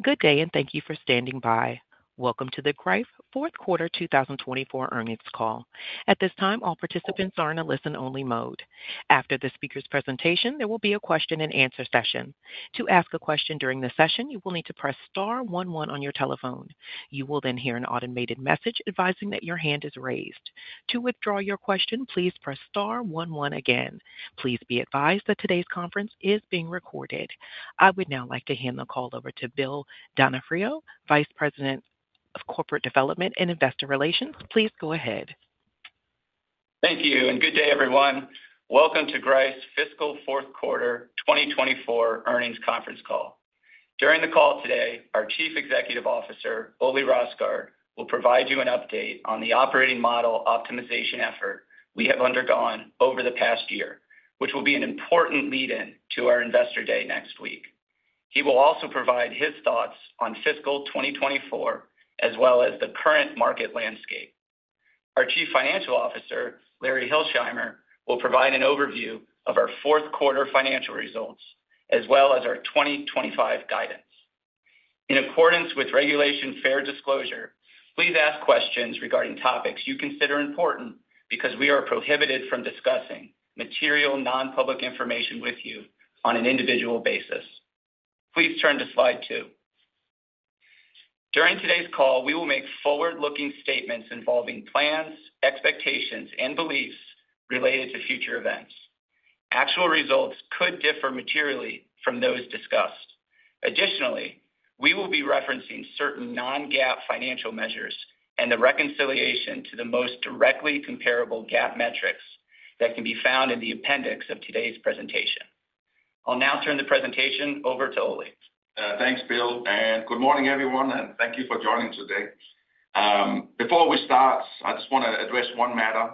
Good day, and thank you for standing by. Welcome to the Greif fourth quarter 2024 earnings call. At this time, all participants are in a listen-only mode. After the speaker's presentation, there will be a question-and-answer session. To ask a question during the session, you will need to press star one one on your telephone. You will then hear an automated message advising that your hand is raised. To withdraw your question, please press star one one again. Please be advised that today's conference is being recorded. I would now like to hand the call over to Bill D'Onofrio, Vice President of Corporate Development and Investor Relations. Please go ahead. Thank you, and good day, everyone. Welcome to Greif's fiscal fourth quarter 2024 earnings conference call. During the call today, our Chief Executive Officer, Ole Rosgaard, will provide you an update on the Operating Model Optimization effort we have undergone over the past year, which will be an important lead-in to our Investor Day next week. He will also provide his thoughts on fiscal 2024, as well as the current market landscape. Our Chief Financial Officer, Larry Hilsheimer, will provide an overview of our fourth quarter financial results, as well as our 2025 guidance. In accordance with Regulation Fair Disclosure, please ask questions regarding topics you consider important because we are prohibited from discussing material non-public information with you on an individual basis. Please turn to slide two. During today's call, we will make forward-looking statements involving plans, expectations, and beliefs related to future events. Actual results could differ materially from those discussed. Additionally, we will be referencing certain Non-GAAP financial measures and the reconciliation to the most directly comparable GAAP metrics that can be found in the appendix of today's presentation. I'll now turn the presentation over to Ole. Thanks, Bill, and good morning, everyone, and thank you for joining today. Before we start, I just want to address one matter.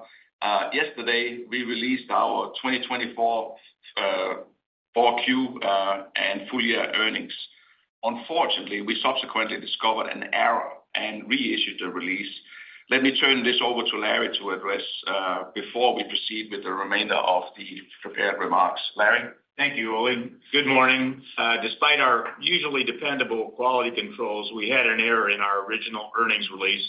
Yesterday, we released our 2024 4Q and full year earnings. Unfortunately, we subsequently discovered an error and reissued the release. Let me turn this over to Larry to address before we proceed with the remainder of the prepared remarks. Larry. Thank you, Ole. Good morning. Despite our usually dependable quality controls, we had an error in our original earnings release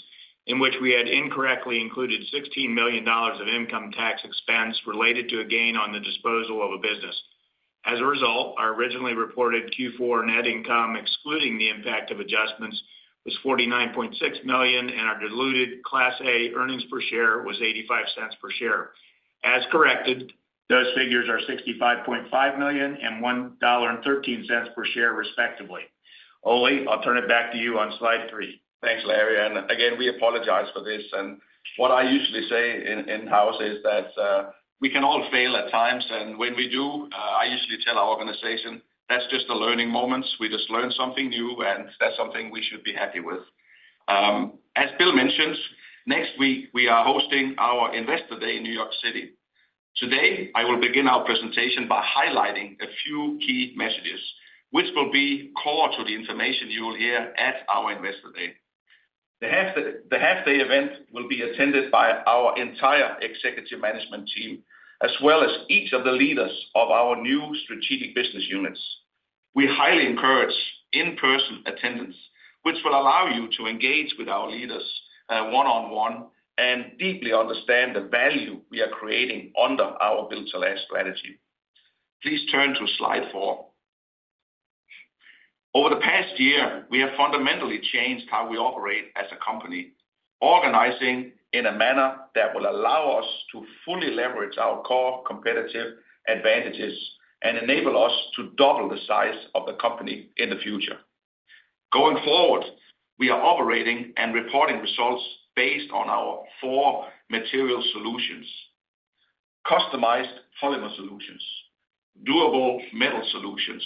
in which we had incorrectly included $16 million of income tax expense related to a gain on the disposal of a business. As a result, our originally reported Q4 net income, excluding the impact of adjustments, was $49.6 million, and our diluted Class A earnings per share was $0.85 per share. As corrected, those figures are $65.5 million and $1.13 per share, respectively. Ole, I'll turn it back to you on slide three. Thanks, Larry. And again, we apologize for this. And what I usually say in-house is that we can all fail at times. And when we do, I usually tell our organization, that's just the learning moments. We just learn something new, and that's something we should be happy with. As Bill mentioned, next week, we are hosting our Investor Day in New York City. Today, I will begin our presentation by highlighting a few key messages, which will be core to the information you will hear at our Investor Day. The half-day event will be attended by our entire executive management team, as well as each of the leaders of our new strategic business units. We highly encourage in-person attendance, which will allow you to engage with our leaders one-on-one and deeply understand the value we are creating under our Build to Last strategy. Please turn to slide four. Over the past year, we have fundamentally changed how we operate as a company, organizing in a manner that will allow us to fully leverage our core competitive advantages and enable us to double the size of the company in the future. Going forward, we are operating and reporting results based on our four material solutions: Customized Polymer Solutions, Durable Metal Solutions,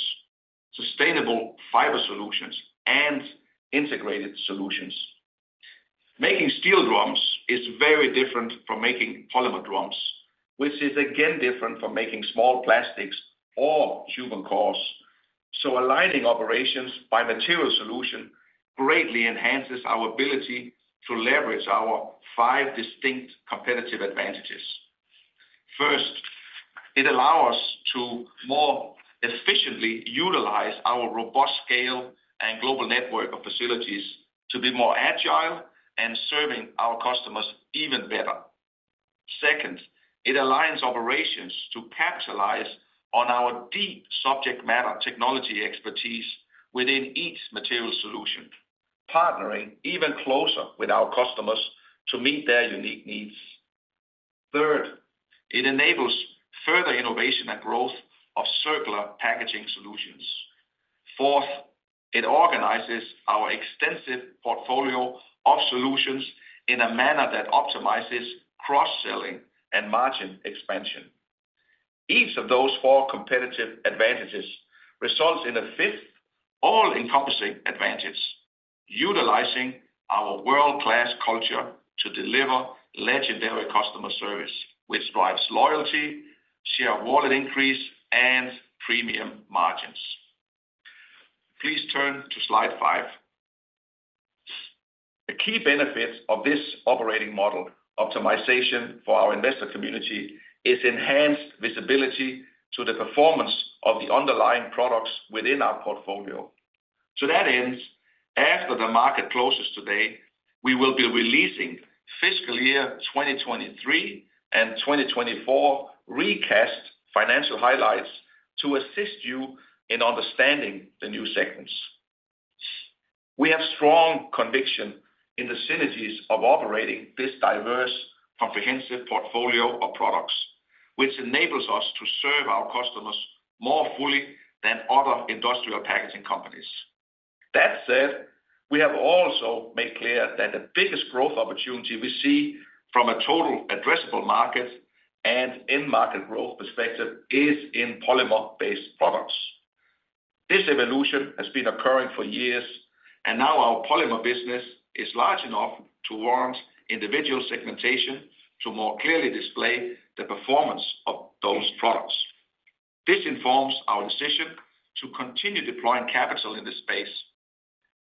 Sustainable Fiber Solutions, and Integrated Solutions. Making steel drums is very different from making polymer drums, which is again different from making small plastics or tube and cores. So aligning operations by material solution greatly enhances our ability to leverage our five distinct competitive advantages. First, it allows us to more efficiently utilize our robust scale and global network of facilities to be more agile and serving our customers even better. Second, it aligns operations to capitalize on our deep subject matter technology expertise within each material solution, partnering even closer with our customers to meet their unique needs. Third, it enables further innovation and growth of circular packaging solutions. Fourth, it organizes our extensive portfolio of solutions in a manner that optimizes cross-selling and margin expansion. Each of those four competitive advantages results in a fifth all-encompassing advantage, utilizing our world-class culture to deliver legendary customer service, which drives loyalty, share of wallet increase, and premium margins. Please turn to slide five. The key benefits of this Operating Model Optimization for our investor community is enhanced visibility to the performance of the underlying products within our portfolio. To that end, as the market closes today, we will be releasing fiscal year 2023 and 2024 recast financial highlights to assist you in understanding the new segments. We have strong conviction in the synergies of operating this diverse, comprehensive portfolio of products, which enables us to serve our customers more fully than other industrial packaging companies. That said, we have also made clear that the biggest growth opportunity we see from a total addressable market and end-market growth perspective is in polymer-based products. This evolution has been occurring for years, and now our polymer business is large enough to warrant individual segmentation to more clearly display the performance of those products. This informs our decision to continue deploying capital in this space.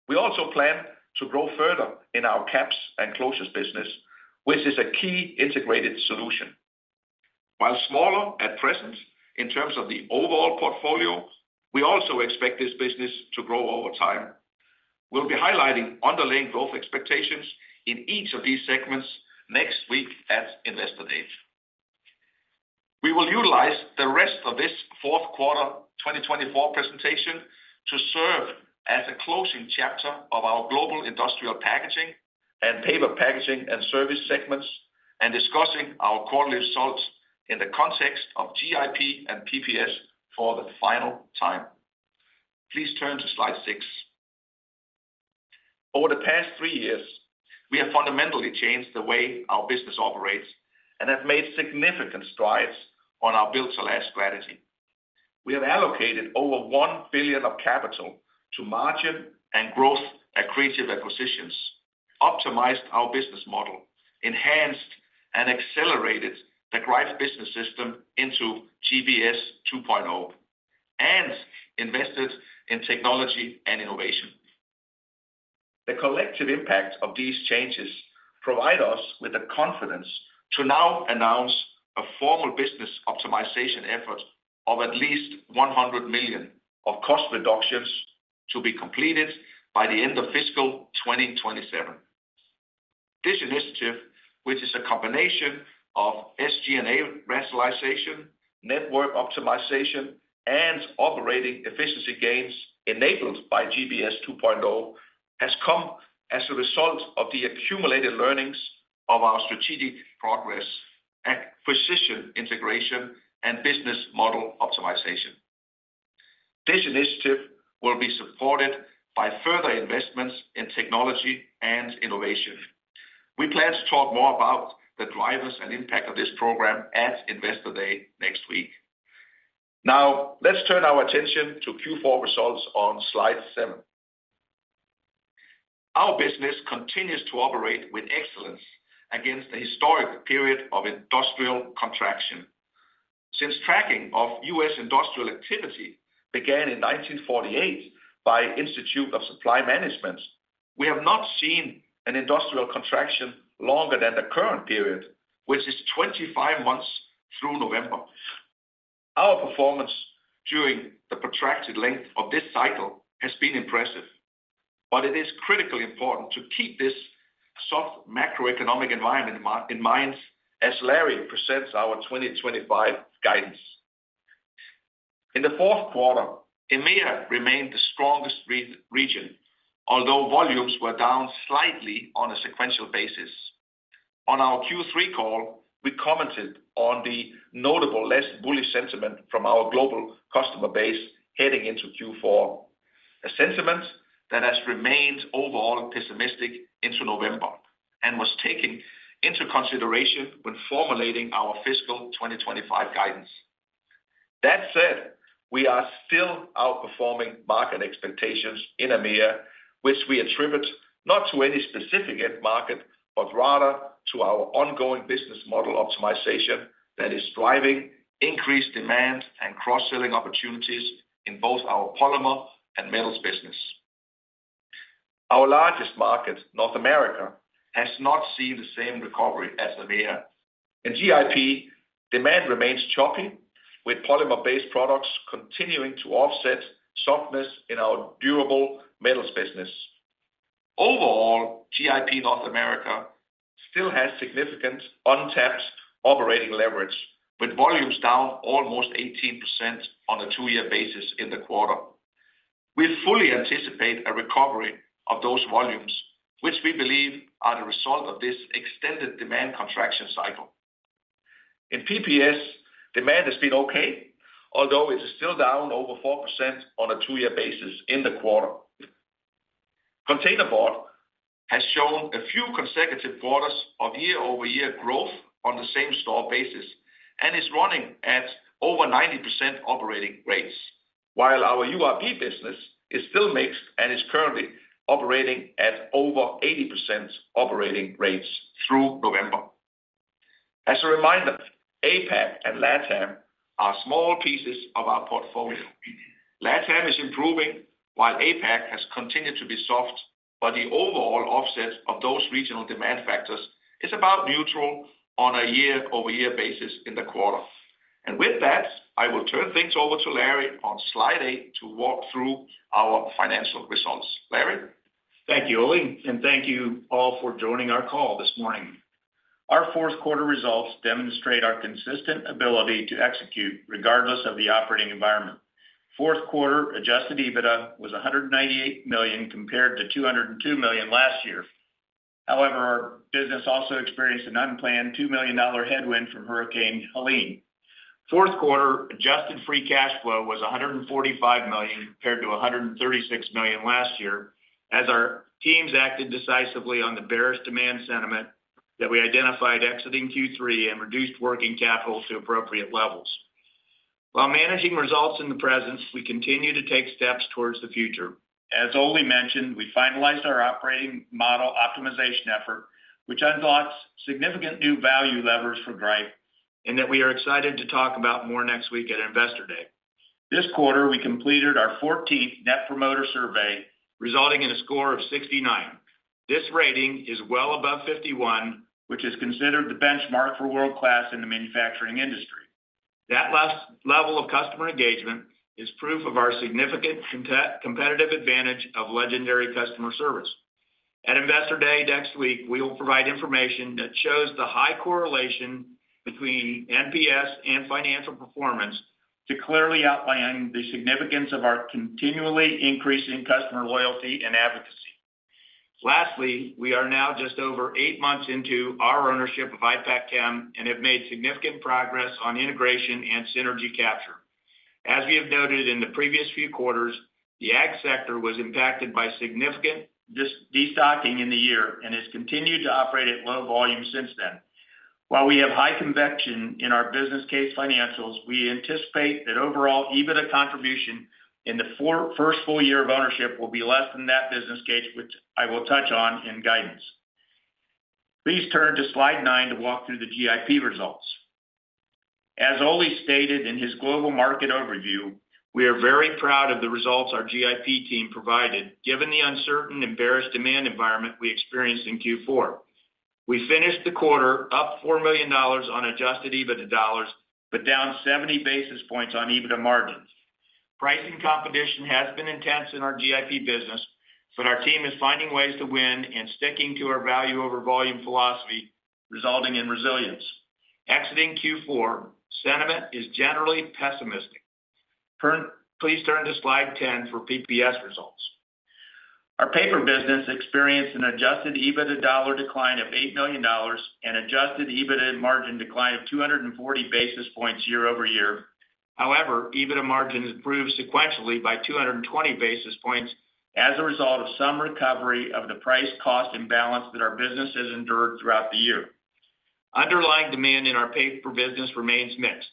We also plan to grow further in our caps and closures business, which is a key integrated solution. While smaller at present in terms of the overall portfolio, we also expect this business to grow over time. We'll be highlighting underlying growth expectations in each of these segments next week at Investor Day. We will utilize the rest of this fourth quarter 2024 presentation to serve as a closing chapter of our Global Industrial Packaging and Paper Packaging and Services segments and discussing our quarterly results in the context of GIP and PPS for the final time. Please turn to slide six. Over the past three years, we have fundamentally changed the way our business operates and have made significant strides on our Build to Last strategy. We have allocated over $1 billion of capital to margin and growth accretive acquisitions, optimized our business model, enhanced and accelerated the Greif Business System into GBS 2.0, and invested in technology and innovation. The collective impact of these changes provides us with the confidence to now announce a formal business optimization effort of at least $100 million of cost reductions to be completed by the end of fiscal 2027. This initiative, which is a combination of SG&A rationalization, network optimization, and operating efficiency gains enabled by GBS 2.0, has come as a result of the accumulated learnings of our strategic progress, acquisition integration, and business model optimization. This initiative will be supported by further investments in technology and innovation. We plan to talk more about the drivers and impact of this program at Investor Day next week. Now, let's turn our attention to Q4 results on slide seven. Our business continues to operate with excellence against the historic period of industrial contraction. Since tracking of U.S. industrial activity began in 1948 by the Institute for Supply Management, we have not seen an industrial contraction longer than the current period, which is 25 months through November. Our performance during the protracted length of this cycle has been impressive, but it is critically important to keep this soft macroeconomic environment in mind as Larry presents our 2025 guidance. In the fourth quarter, EMEA remained the strongest region, although volumes were down slightly on a sequential basis. On our Q3 call, we commented on the notable less bullish sentiment from our global customer base heading into Q4, a sentiment that has remained overall pessimistic into November and was taken into consideration when formulating our fiscal 2025 guidance. That said, we are still outperforming market expectations in EMEA, which we attribute not to any specific market, but rather to our ongoing business model optimization that is driving increased demand and cross-selling opportunities in both our polymer and metals business. Our largest market, North America, has not seen the same recovery as EMEA. In GIP, demand remains choppy, with polymer-based products continuing to offset softness in our durable metals business. Overall, GIP North America still has significant untapped operating leverage, with volumes down almost 18% on a two-year basis in the quarter. We fully anticipate a recovery of those volumes, which we believe are the result of this extended demand contraction cycle. In PPS, demand has been okay, although it is still down over 4% on a two-year basis in the quarter. Containerboard has shown a few consecutive quarters of year-over-year growth on the same sequential basis and is running at over 90% operating rates, while our URB business is still mixed and is currently operating at over 80% operating rates through November. As a reminder, APAC and LATAM are small pieces of our portfolio. LATAM is improving, while APAC has continued to be soft, but the overall offset of those regional demand factors is about neutral on a year-over-year basis in the quarter. And with that, I will turn things over to Larry on slide eight to walk through our financial results. Larry. Thank you, Ole, and thank you all for joining our call this morning. Our fourth quarter results demonstrate our consistent ability to execute regardless of the operating environment. Fourth quarter adjusted EBITDA was $198 million compared to $202 million last year. However, our business also experienced an unplanned $2 million headwind from Hurricane Helene. Fourth quarter adjusted free cash flow was $145 million compared to $136 million last year, as our teams acted decisively on the bearish demand sentiment that we identified exiting Q3 and reduced working capital to appropriate levels. While managing results in the present, we continue to take steps towards the future. As Ole mentioned, we finalized our Operating Model Optimization effort, which unlocks significant new value levers for Greif in that we are excited to talk about more next week at Investor Day. This quarter, we completed our 14th Net Promoter Survey, resulting in a score of 69. This rating is well above 51, which is considered the benchmark for world-class in the manufacturing industry. That level of customer engagement is proof of our significant competitive advantage of legendary customer service. At Investor Day next week, we will provide information that shows the high correlation between NPS and financial performance to clearly outline the significance of our continually increasing customer loyalty and advocacy. Lastly, we are now just over eight months into our ownership of IPACKCHEM and have made significant progress on integration and synergy capture. As we have noted in the previous few quarters, the ag sector was impacted by significant destocking in the year and has continued to operate at low volume since then. While we have high conviction in our business case financials, we anticipate that overall EBITDA contribution in the first full year of ownership will be less than that business case, which I will touch on in guidance. Please turn to slide nine to walk through the GIP results. As Ole stated in his global market overview, we are very proud of the results our GIP team provided, given the uncertain and bearish demand environment we experienced in Q4. We finished the quarter up $4 million on adjusted EBITDA dollars, but down 70 basis points on EBITDA margins. Pricing competition has been intense in our GIP business, but our team is finding ways to win and sticking to our value-over-volume philosophy, resulting in resilience. Exiting Q4, sentiment is generally pessimistic. Please turn to slide 10 for PPS results. Our paper business experienced an adjusted EBITDA dollar decline of $8 million and adjusted EBITDA margin decline of 240 basis points year-over-year. However, EBITDA margins improved sequentially by 220 basis points as a result of some recovery of the price-cost imbalance that our business has endured throughout the year. Underlying demand in our paper business remains mixed.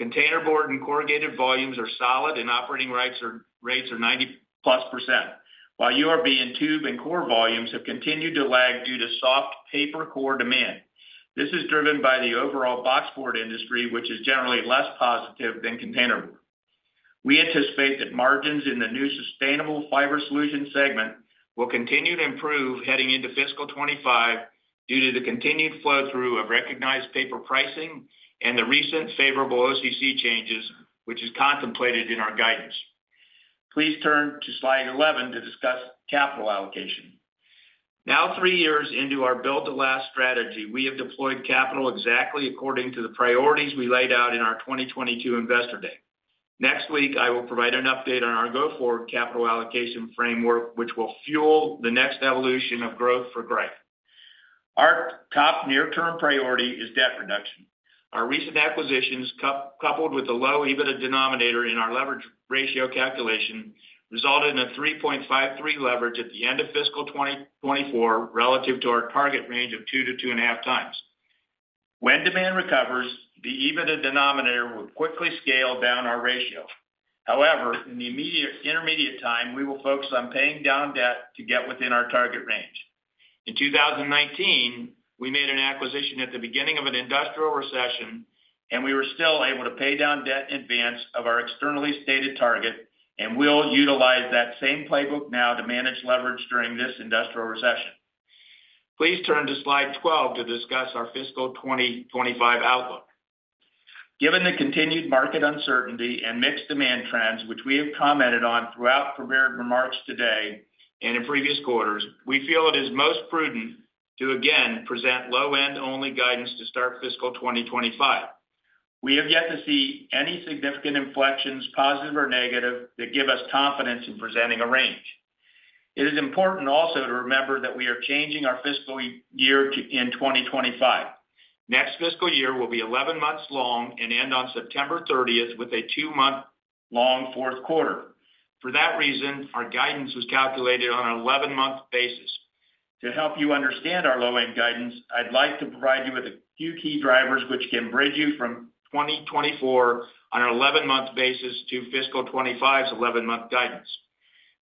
Containerboard and corrugated volumes are solid, and operating rates are 90+%, while URB and tube and core volumes have continued to lag due to soft paper core demand. This is driven by the overall boxboard industry, which is generally less positive than containerboard. We anticipate that margins in the new Sustainable Fiber Solutions segment will continue to improve heading into fiscal 2025 due to the continued flow-through of recognized paper pricing and the recent favorable OCC changes, which is contemplated in our guidance. Please turn to slide 11 to discuss capital allocation. Now, three years into our Build to Last strategy, we have deployed capital exactly according to the priorities we laid out in our 2022 Investor Day. Next week, I will provide an update on our go-forward capital allocation framework, which will fuel the next evolution of growth for Greif. Our top near-term priority is debt reduction. Our recent acquisitions, coupled with a low EBITDA denominator in our leverage ratio calculation, resulted in a 3.53 leverage at the end of fiscal 2024 relative to our target range of two to two and a half times. When demand recovers, the EBITDA denominator will quickly scale down our ratio. However, in the intermediate time, we will focus on paying down debt to get within our target range. In 2019, we made an acquisition at the beginning of an industrial recession, and we were still able to pay down debt in advance of our externally stated target, and we'll utilize that same playbook now to manage leverage during this industrial recession. Please turn to slide 12 to discuss our fiscal 2025 outlook. Given the continued market uncertainty and mixed demand trends, which we have commented on throughout prepared remarks today and in previous quarters, we feel it is most prudent to again present low-end-only guidance to start fiscal 2025. We have yet to see any significant inflections, positive or negative, that give us confidence in presenting a range. It is important also to remember that we are changing our fiscal year in 2025. Next fiscal year will be 11 months long and end on September 30th with a two-month-long fourth quarter. For that reason, our guidance was calculated on an 11-month basis. To help you understand our low-end guidance, I'd like to provide you with a few key drivers which can bridge you from 2024 on an 11-month basis to fiscal 2025's 11-month guidance.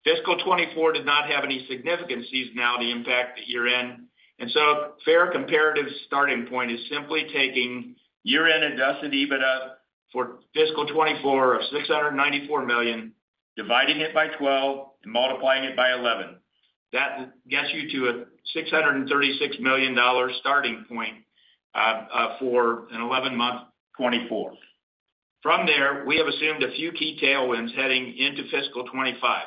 Fiscal 2024 did not have any significant seasonality impact at year-end, and so a fair comparative starting point is simply taking year-end adjusted EBITDA for fiscal 2024 of $694 million, dividing it by 12, and multiplying it by 11. That gets you to a $636 million starting point for an 11-month 24. From there, we have assumed a few key tailwinds heading into fiscal 25.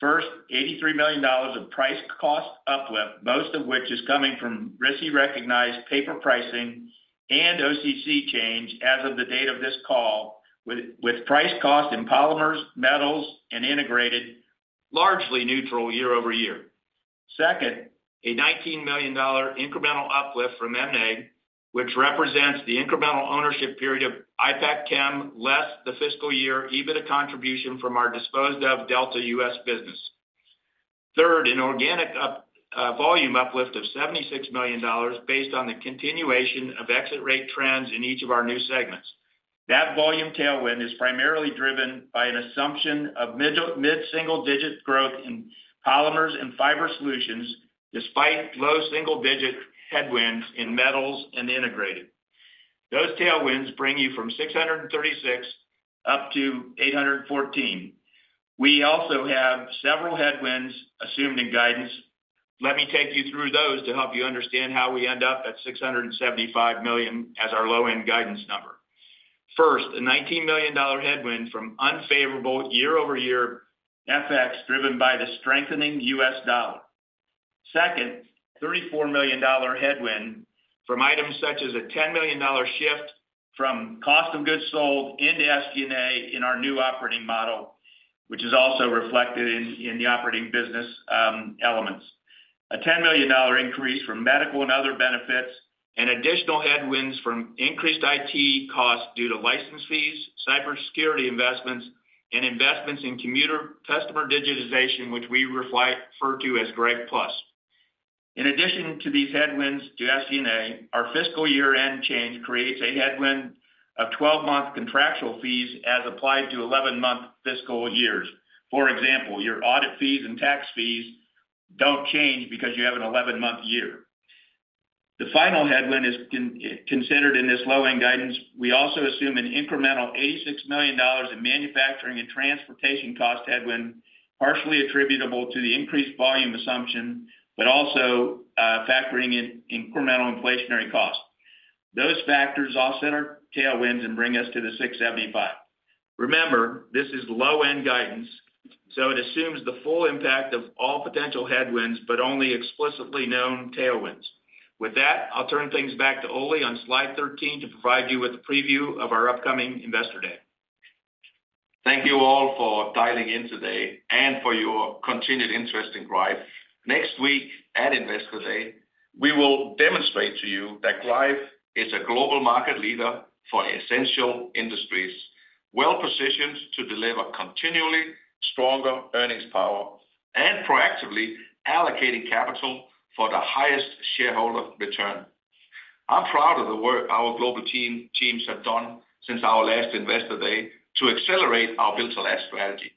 First, $83 million of price-cost uplift, most of which is coming from RISI-recognized paper pricing and OCC change as of the date of this call, with price-cost in polymers, metals, and integrated largely neutral year-over-year. Second, a $19 million incremental uplift from M&A, which represents the incremental ownership period of IPACKCHEM less the fiscal year EBITDA contribution from our disposed-of Delta U.S. business. Third, an organic volume uplift of $76 million based on the continuation of exit rate trends in each of our new segments. That volume tailwind is primarily driven by an assumption of mid-single-digit growth in polymers and fiber solutions, despite low single-digit headwinds in metals and integrated. Those tailwinds bring you from 636 up to 814. We also have several headwinds assumed in guidance. Let me take you through those to help you understand how we end up at 675 million as our low-end guidance number. First, a $19 million headwind from unfavorable year-over-year effects driven by the strengthening U.S. dollar. Second, a $34 million headwind from items such as a $10 million shift from cost of goods sold into SG&A in our new operating model, which is also reflected in the operating business elements. A $10 million increase from medical and other benefits and additional headwinds from increased IT costs due to license fees, cybersecurity investments, and investments in customer digitization, which we refer to as Greif Plus. In addition to these headwinds to SG&A, our fiscal year-end change creates a headwind of 12-month contractual fees as applied to 11-month fiscal years. For example, your audit fees and tax fees don't change because you have an 11-month year. The final headwind is considered in this low-end guidance. We also assume an incremental $86 million in manufacturing and transportation cost headwind, partially attributable to the increased volume assumption, but also factoring in incremental inflationary costs. Those factors offset our tailwinds and bring us to the 675. Remember, this is low-end guidance, so it assumes the full impact of all potential headwinds, but only explicitly known tailwinds. With that, I'll turn things back to Ole on slide 13 to provide you with a preview of our upcoming Investor Day. Thank you all for dialing in today and for your continued interest in Greif. Next week at Investor Day, we will demonstrate to you that Greif is a global market leader for essential industries, well-positioned to deliver continually stronger earnings power and proactively allocating capital for the highest shareholder return. I'm proud of the work our global teams have done since our last Investor Day to accelerate our Build to Last strategy.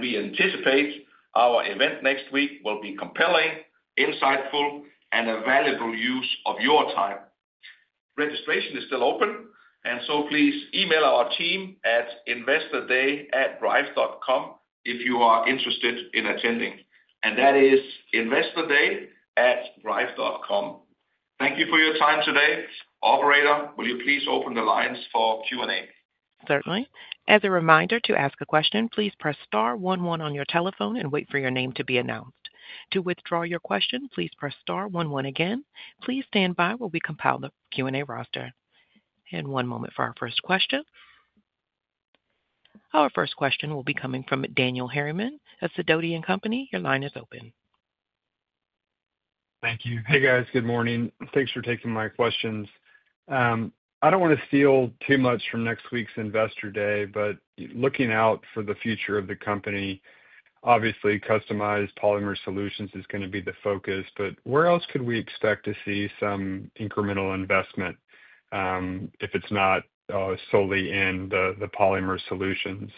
We anticipate our event next week will be compelling, insightful, and a valuable use of your time. Registration is still open, and so please email our team at investorday@greif.com if you are interested in attending. That is investorday@greif.com. Thank you for your time today. Operator, will you please open the lines for Q&A? Certainly. As a reminder to ask a question, please press star one one on your telephone and wait for your name to be announced. To withdraw your question, please press star one one again. Please stand by while we compile the Q&A roster and one moment for our first question. Our first question will be coming from Daniel Harriman of Sidoti & Company. Your line is open. Thank you. Hey, guys. Good morning. Thanks for taking my questions. I don't want to steal too much from next week's Investor Day, but looking out for the future of the company, obviously, Customized Polymer Solutions is going to be the focus. But where else could we expect to see some incremental investment if it's not solely in the Polymer Solutions?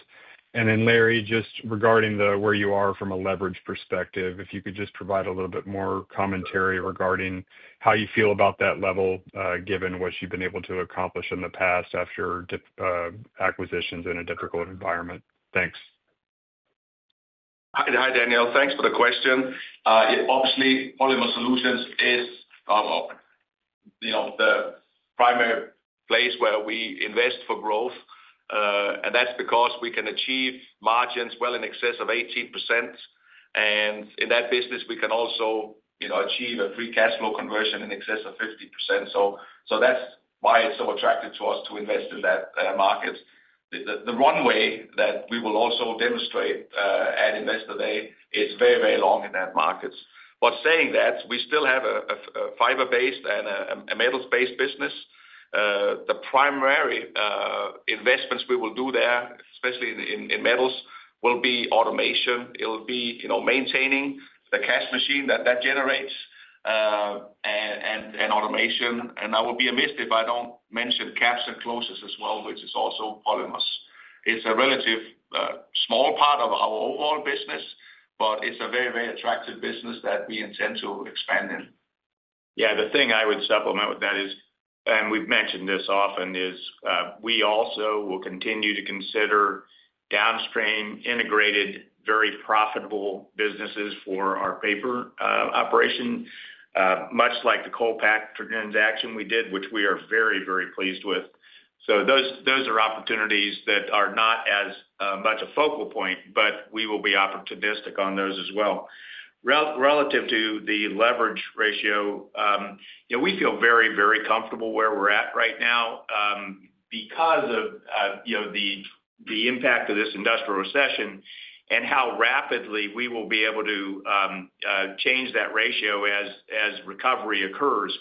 And then, Larry, just regarding where you are from a leverage perspective, if you could just provide a little bit more commentary regarding how you feel about that level, given what you've been able to accomplish in the past after acquisitions in a difficult environment. Thanks. Hi, Daniel. Thanks for the question. Obviously, polymer solutions is the primary place where we invest for growth. And that's because we can achieve margins well in excess of 18%. And in that business, we can also achieve a free cash flow conversion in excess of 50%. So that's why it's so attractive to us to invest in that market. The runway that we will also demonstrate at Investor Day is very, very long in that market. But saying that, we still have a fiber-based and a metals-based business. The primary investments we will do there, especially in metals, will be automation. It'll be maintaining the cash machine that that generates and automation. And I would be remiss if I don't mention caps and closures as well, which is also polymers. It's a relatively small part of our overall business, but it's a very, very attractive business that we intend to expand in. Yeah, the thing I would supplement with that is, and we've mentioned this often, is we also will continue to consider downstream integrated, very profitable businesses for our paper operation, much like the ColePak transaction we did, which we are very, very pleased with. So those are opportunities that are not as much a focal point, but we will be opportunistic on those as well. Relative to the leverage ratio, we feel very, very comfortable where we're at right now because of the impact of this industrial recession and how rapidly we will be able to change that ratio as recovery occurs.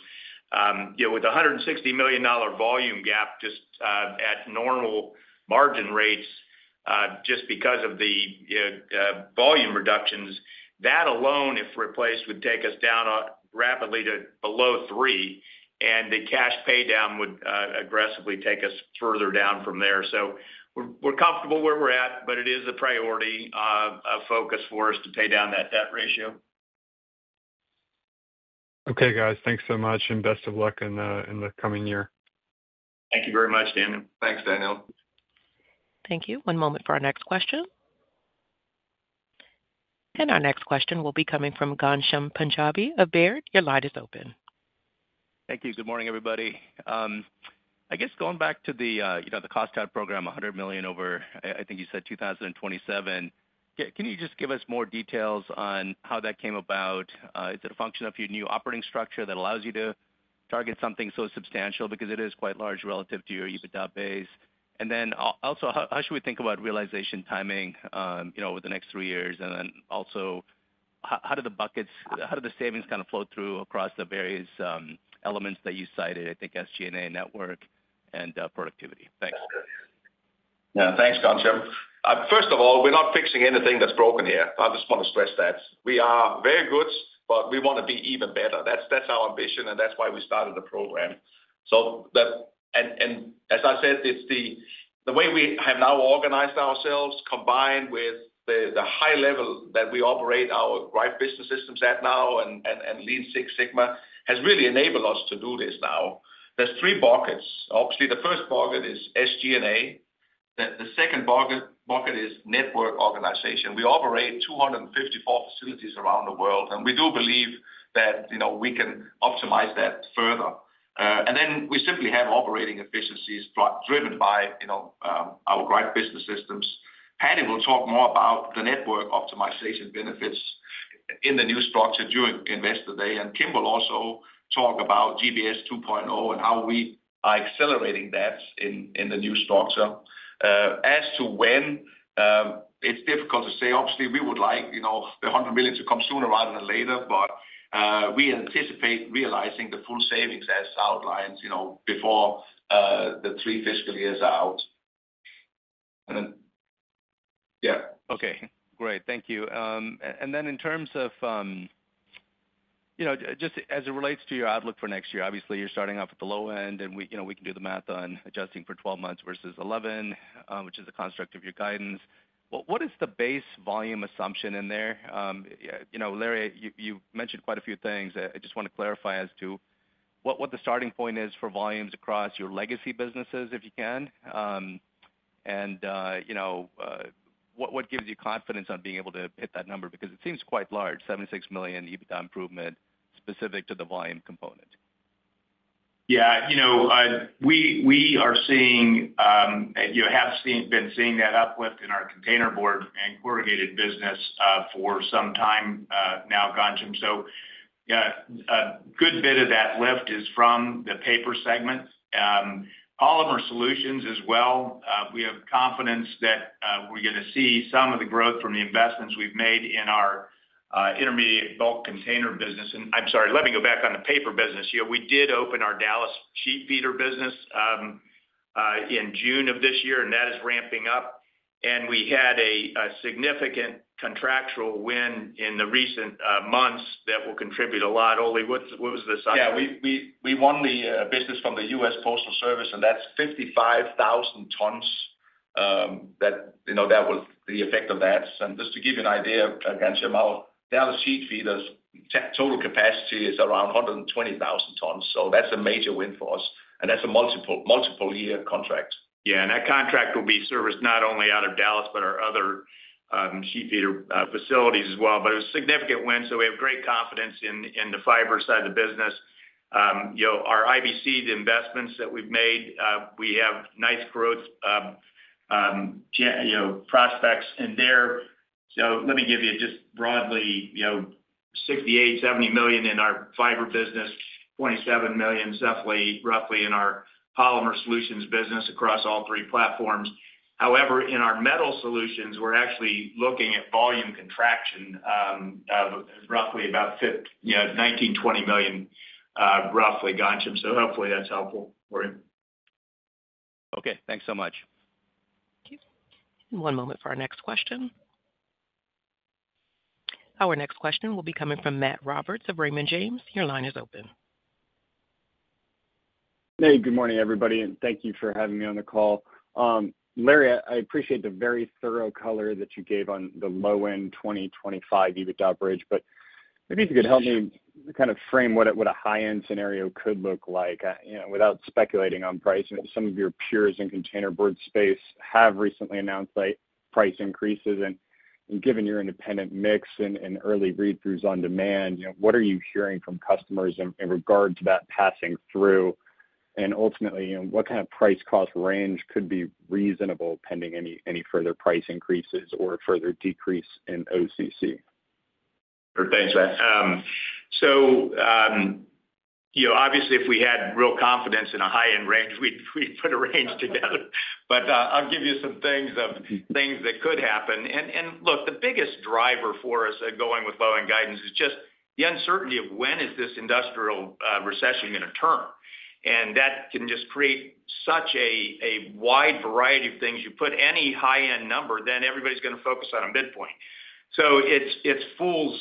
With a $160 million volume gap just at normal margin rates, just because of the volume reductions, that alone, if replaced, would take us down rapidly to below three, and the cash paydown would aggressively take us further down from there. So we're comfortable where we're at, but it is a priority focus for us to pay down that debt ratio. Okay, guys. Thanks so much, and best of luck in the coming year. Thank you very much, Daniel. Thanks, Daniel. Thank you. One moment for our next question. And our next question will be coming from Ghansham Panjabi of Baird. Your line is open. Thank you. Good morning, everybody. I guess going back to the cost out program, $100 million over, I think you said 2027, can you just give us more details on how that came about? Is it a function of your new operating structure that allows you to target something so substantial? Because it is quite large relative to your EBITDA base. And then also, how should we think about realization timing over the next three years? And then also, how do the buckets, how do the savings kind of flow through across the various elements that you cited, I think SG&A network and productivity? Thanks. Yeah, thanks, Ghansham. First of all, we're not fixing anything that's broken here. I just want to stress that. We are very good, but we want to be even better. That's our ambition, and that's why we started the program. And as I said, it's the way we have now organized ourselves, combined with the high level that we operate our Greif Business System at now and Lean Six Sigma has really enabled us to do this now. There's three buckets. Obviously, the first bucket is SG&A. The second bucket is network organization. We operate 254 facilities around the world, and we do believe that we can optimize that further. And then we simply have operating efficiencies driven by our Greif Business System. Paddy will talk more about the network optimization benefits in the new structure during Investor Day, and Kim will also talk about GBS 2.0 and how we are accelerating that in the new structure. As to when, it's difficult to say. Obviously, we would like the $100 million to come sooner rather than later, but we anticipate realizing the full savings as outlined before the three fiscal years are out. Yeah. Okay. Great. Thank you. And then in terms of just as it relates to your outlook for next year, obviously, you're starting off at the low end, and we can do the math on adjusting for 12 months versus 11, which is a construct of your guidance. What is the base volume assumption in there? Larry, you mentioned quite a few things. I just want to clarify as to what the starting point is for volumes across your legacy businesses, if you can. And what gives you confidence on being able to hit that number? Because it seems quite large, $76 million EBITDA improvement specific to the volume component. Yeah. We are seeing, have been seeing that uplift in our containerboard and corrugated business for some time now, Ghansham. So yeah, a good bit of that lift is from the paper segment. Polymer solutions as well. We have confidence that we're going to see some of the growth from the investments we've made in our intermediate bulk container business. And I'm sorry, let me go back on the paper business. We did open our Dallas Sheet Feeder business in June of this year, and that is ramping up. And we had a significant contractual win in the recent months that will contribute a lot. Ole, what was the assumption? Yeah. We won the business from the U.S. Postal Service, and that's 55,000 tons that was the effect of that. And just to give you an idea, Ghansham, our Dallas Sheet Feeder total capacity is around 120,000 tons. So that's a major win for us. And that's a multiple-year contract. Yeah. And that contract will be serviced not only out of Dallas, but our other sheet feeder facilities as well. But it was a significant win, so we have great confidence in the fiber side of the business. Our IBC investments that we've made, we have nice growth prospects in there. So let me give you just broadly, $68 million-$70 million in our fiber business, roughly $27 million in our polymer solutions business across all three platforms. However, in our metal solutions, we're actually looking at volume contraction of roughly about $19 million-$20 million, roughly, Ghansham. So hopefully that's helpful for you. Okay. Thanks so much. One moment for our next question. Our next question will be coming from Matt Roberts of Raymond James. Your line is open. Hey, good morning, everybody, and thank you for having me on the call. Larry, I appreciate the very thorough color that you gave on the low-end 2025 EBITDA bridge, but maybe if you could help me kind of frame what a high-end scenario could look like without speculating on pricing. Some of your peers in containerboard space have recently announced price increases. And given your independent mix and early read-throughs on demand, what are you hearing from customers in regard to that passing through? And ultimately, what kind of price-cost range could be reasonable pending any further price increases or further decrease in OCC? Sure. Thanks, Matt. So obviously, if we had real confidence in a high-end range, we'd put a range together. But I'll give you some things of things that could happen. And look, the biggest driver for us going with low-end guidance is just the uncertainty of when is this industrial recession going to turn. And that can just create such a wide variety of things. You put any high-end number, then everybody's going to focus on a midpoint. So it's fool's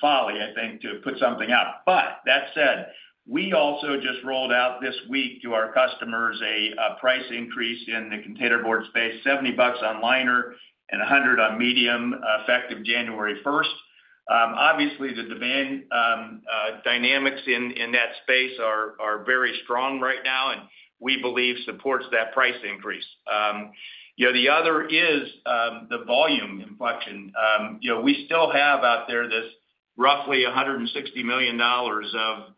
folly, I think, to put something out. But that said, we also just rolled out this week to our customers a price increase in the containerboard space, $70 on liner and $100 on medium effective January 1st. Obviously, the demand dynamics in that space are very strong right now, and we believe supports that price increase. The other is the volume inflection. We still have out there this roughly $160 million of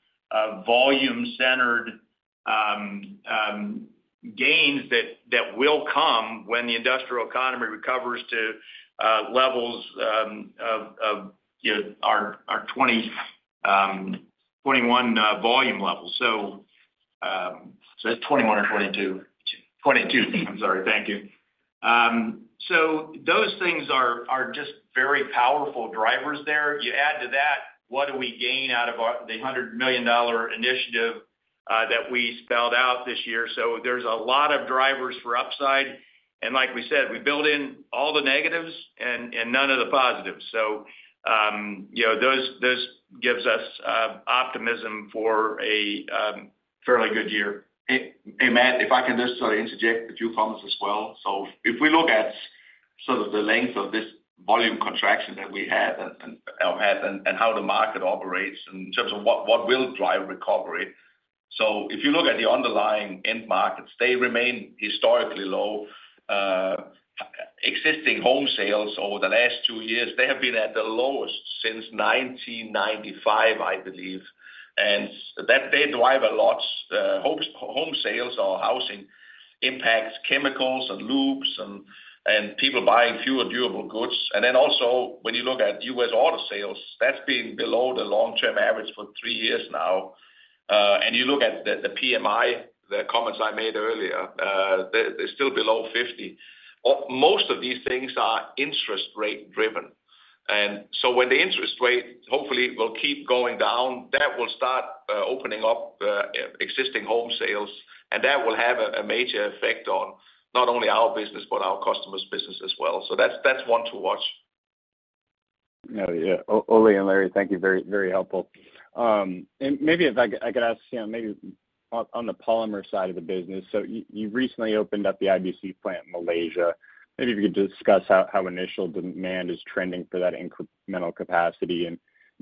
volume-centered gains that will come when the industrial economy recovers to levels of our 2021 volume levels. So. Is that 2021 or 2022? 2022. I'm sorry. Thank you. So those things are just very powerful drivers there. You add to that, what do we gain out of the $100 million initiative that we spelled out this year? So there's a lot of drivers for upside. And like we said, we built in all the negatives and none of the positives. So those give us optimism for a fairly good year. Hey, Matt, if I can just interject a few comments as well. So if we look at sort of the length of this volume contraction that we have and how the market operates in terms of what will drive recovery. So if you look at the underlying end markets, they remain historically low. Existing home sales over the last two years, they have been at the lowest since 1995, I believe. And that drives a lot of home sales or housing impacts, chemicals and lubes, and people buying fewer durable goods. And then also, when you look at U.S. auto sales, that's been below the long-term average for three years now. And you look at the PMI, the comments I made earlier, they're still below 50. Most of these things are interest rate-driven. And so when the interest rate hopefully will keep going down, that will start opening up existing home sales, and that will have a major effect on not only our business, but our customers' business as well. So that's one to watch. Ole and Larry, thank you. Very, very helpful. And maybe if I could ask maybe on the polymer side of the business. So you recently opened up the IBC plant in Malaysia. Maybe if you could discuss how initial demand is trending for that incremental capacity. And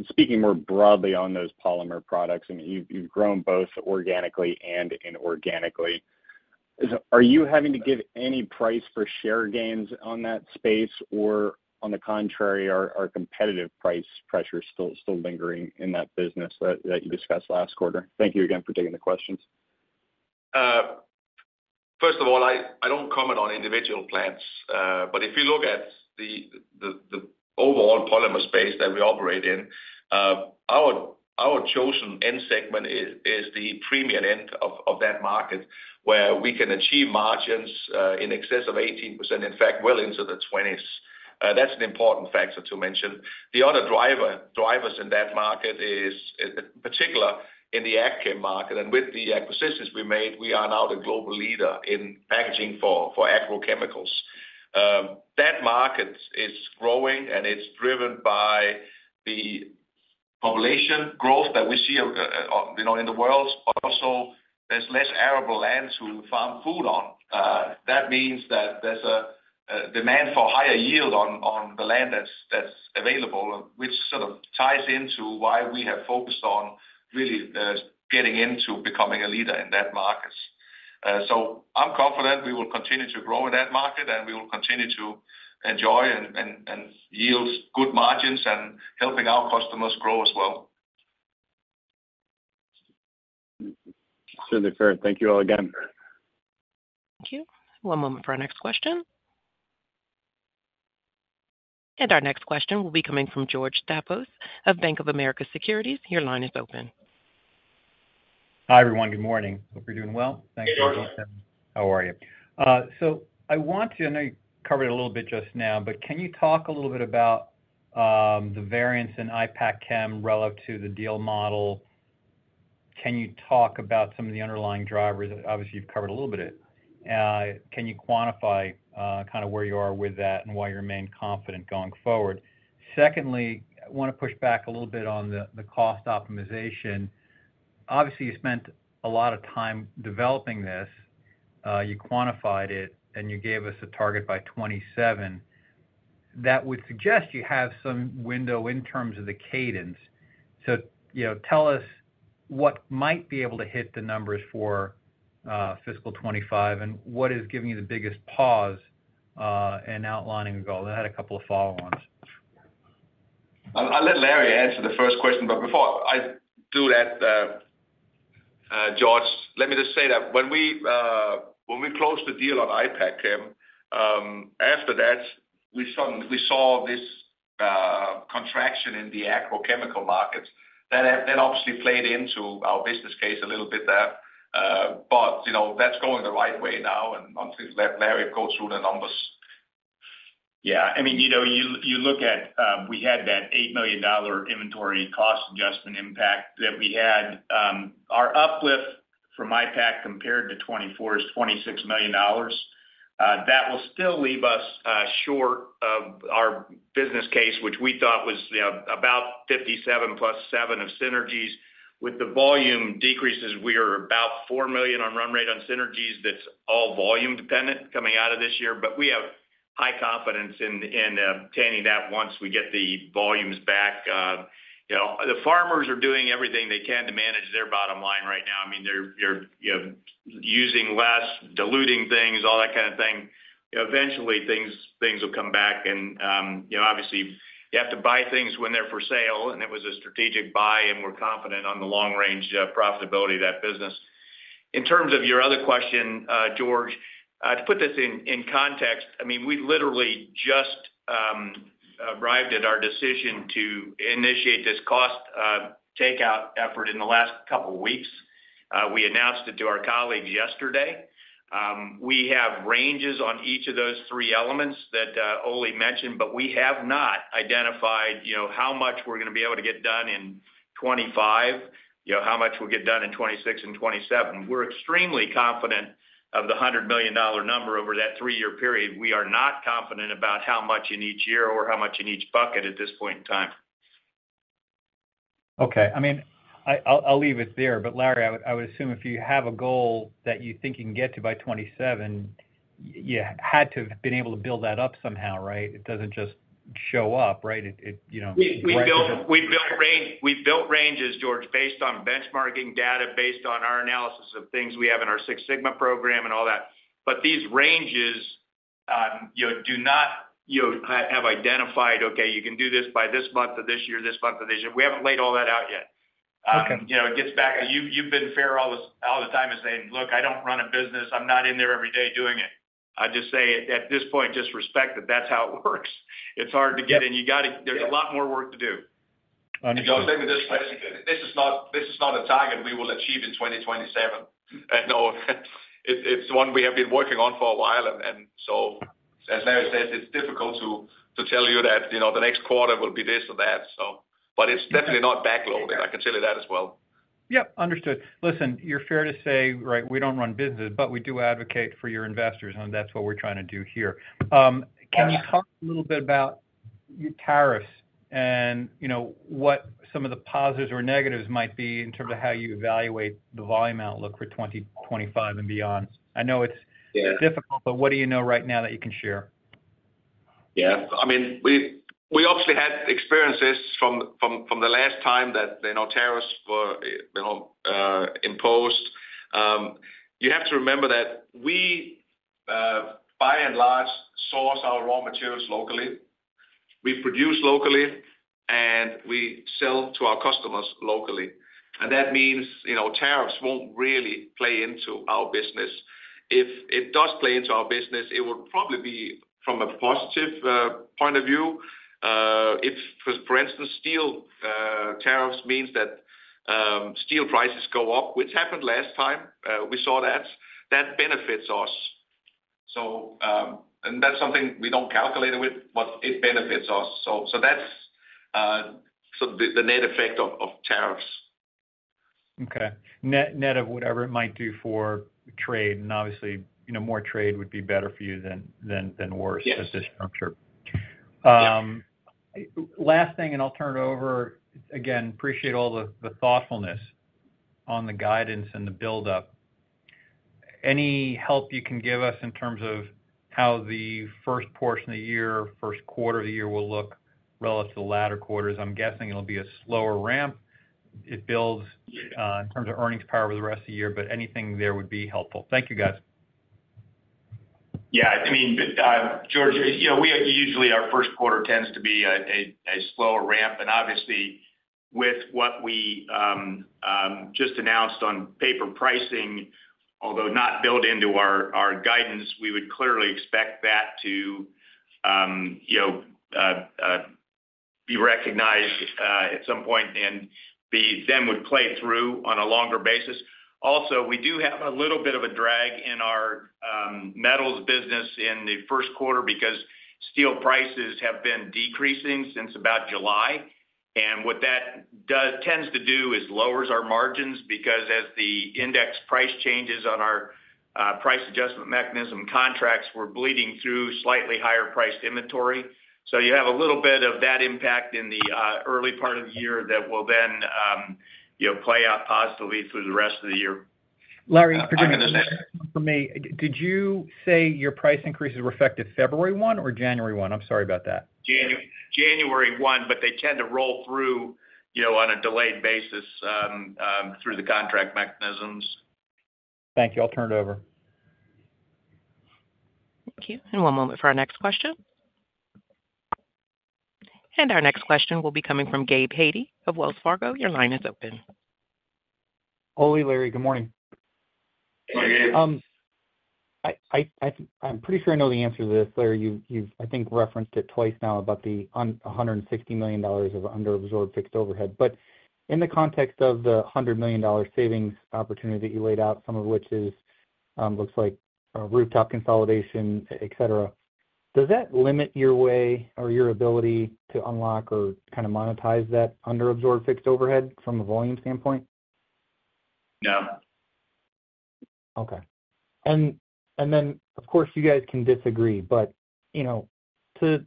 speaking more broadly on those polymer products, I mean, you've grown both organically and inorganically. Are you having to give any price for share gains on that space, or on the contrary, are competitive price pressures still lingering in that business that you discussed last quarter? Thank you again for taking the questions. First of all, I don't comment on individual plants, but if you look at the overall polymer space that we operate in, our chosen end segment is the premium end of that market where we can achieve margins in excess of 18%, in fact, well into the 20s. That's an important factor to mention. The other drivers in that market is in particular in the IPACKCHEM market, and with the acquisitions we made, we are now the global leader in packaging for agrochemicals. That market is growing, and it's driven by the population growth that we see in the world. Also, there's less arable land to farm food on. That means that there's a demand for higher yield on the land that's available, which sort of ties into why we have focused on really getting into becoming a leader in that market. I'm confident we will continue to grow in that market, and we will continue to enjoy and yield good margins and helping our customers grow as well. Thank you all again. Thank you. One moment for our next question, and our next question will be coming from George Staphos of Bank of America Securities. Your line is open. Hi everyone. Good morning. Hope you're doing well. Thanks for joining us. How are you? So I want to, I know you covered it a little bit just now, but can you talk a little bit about the variance in IPACKCHEM relative to the deal model? Can you talk about some of the underlying drivers? Obviously, you've covered a little bit of it. Can you quantify kind of where you are with that and why you remain confident going forward? Secondly, I want to push back a little bit on the cost optimization. Obviously, you spent a lot of time developing this. You quantified it, and you gave us a target by 2027. That would suggest you have some window in terms of the cadence. So tell us what might be able to hit the numbers for fiscal 2025, and what is giving you the biggest pause in outlining a goal? I had a couple of follow-ons. I'll let Larry answer the first question, but before I do that, George, let me just say that when we closed the deal on IPACKCHEM, after that, we saw this contraction in the agrochemical markets. That obviously played into our business case a little bit there. But that's going the right way now, and obviously, Larry will go through the numbers. Yeah. I mean, you look at we had that $8 million inventory cost adjustment impact that we had. Our uplift from IPACKCHEM compared to 2024 is $26 million. That will still leave us short of our business case, which we thought was about $57 million plus $7 million of synergies. With the volume decreases, we are about $4 million on run rate on synergies. That's all volume dependent coming out of this year. But we have high confidence in obtaining that once we get the volumes back. The farmers are doing everything they can to manage their bottom line right now. I mean, they're using less, diluting things, all that kind of thing. Eventually, things will come back. And obviously, you have to buy things when they're for sale, and it was a strategic buy, and we're confident on the long-range profitability of that business. In terms of your other question, George, to put this in context, I mean, we literally just arrived at our decision to initiate this cost takeout effort in the last couple of weeks. We announced it to our colleagues yesterday. We have ranges on each of those three elements that Ole mentioned, but we have not identified how much we're going to be able to get done in 2025, how much we'll get done in 2026 and 2027. We're extremely confident of the $100 million number over that three-year period. We are not confident about how much in each year or how much in each bucket at this point in time. Okay. I mean, I'll leave it there. But Larry, I would assume if you have a goal that you think you can get to by 2027, you had to have been able to build that up somehow, right? It doesn't just show up, right? We built ranges, George, based on benchmarking data, based on our analysis of things we have in our Six Sigma program and all that. But these ranges do not have identified, "Okay, you can do this by this month of this year, this month of this year." We haven't laid all that out yet. It gets back to you've been fair all the time in saying, "Look, I don't run a business. I'm not in there every day doing it." I just say at this point, just respect that that's how it works. It's hard to get in. There's a lot more work to do. Understood. This is not a target we will achieve in 2027. It's one we have been working on for a while. And so, as Larry said, it's difficult to tell you that the next quarter will be this or that. But it's definitely not backlogging. I can tell you that as well. Yep. Understood. Listen, it's fair to say, right, we don't run businesses, but we do advocate for your investors, and that's what we're trying to do here. Can you talk a little bit about your tariffs and what some of the positives or negatives might be in terms of how you evaluate the volume outlook for 2025 and beyond? I know it's difficult, but what do you know right now that you can share? Yeah. I mean, we obviously had experiences from the last time that tariffs were imposed. You have to remember that we, by and large, source our raw materials locally. We produce locally, and we sell to our customers locally. And that means tariffs won't really play into our business. If it does play into our business, it would probably be from a positive point of view. If, for instance, steel tariffs means that steel prices go up, which happened last time, we saw that. That benefits us. And that's something we don't calculate with, but it benefits us. So that's the net effect of tariffs. Okay. Net of whatever it might do for trade, and obviously, more trade would be better for you than worse at this juncture. Last thing, and I'll turn it over again. Appreciate all the thoughtfulness on the guidance and the buildup. Any help you can give us in terms of how the first portion of the year, first quarter of the year, will look relative to the latter quarters? I'm guessing it'll be a slower ramp. It builds in terms of earnings power over the rest of the year, but anything there would be helpful. Thank you, guys. Yeah. I mean, George, usually our first quarter tends to be a slower ramp, and obviously, with what we just announced on paper pricing, although not built into our guidance, we would clearly expect that to be recognized at some point and then would play through on a longer basis. Also, we do have a little bit of a drag in our metals business in the first quarter because steel prices have been decreasing since about July, and what that tends to do is lowers our margins because as the index price changes on our price adjustment mechanism contracts, we're bleeding through slightly higher priced inventory, so you have a little bit of that impact in the early part of the year that will then play out positively through the rest of the year. Larry, forgive me. Did you say your price increases were effective February 1 or January 1? I'm sorry about that. January 1, but they tend to roll through on a delayed basis through the contract mechanisms. Thank you. I'll turn it over. Thank you. And one moment for our next question. And our next question will be coming from Gabe Hajde of Wells Fargo. Your line is open. Ole and Larry, good morning. I'm pretty sure I know the answer to this. Larry, you've, I think, referenced it twice now about the $160 million of underabsorbed fixed overhead. But in the context of the $100 million savings opportunity that you laid out, some of which looks like rooftop consolidation, etc., does that limit your way or your ability to unlock or kind of monetize that underabsorbed fixed overhead from a volume standpoint? No. Okay. And then, of course, you guys can disagree. But to